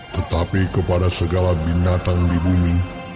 tetapi kepada segala binatang di bumi